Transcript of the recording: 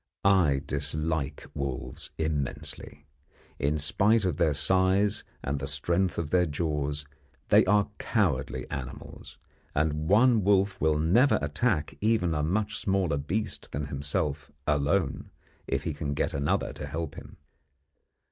I dislike wolves immensely. In spite of their size and the strength of their jaws, they are cowardly animals, and one wolf will never attack even a much smaller beast than himself alone, if he can get another to help him.